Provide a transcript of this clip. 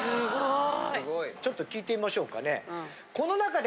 ・すごい・ちょっと聞いてみましょうかね。